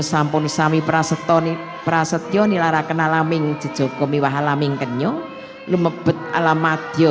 sampun sami prasetoni prasetyo nilara kenalaming jjoko miwaha laming kenyong lumebet alamat yo